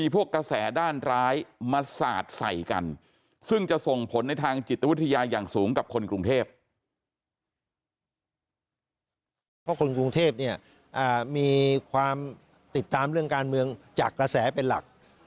เพราะคนกรุงเทพเนี่ยมีความติดตามเรื่องการเมืองจากกระแสเป็นหลัก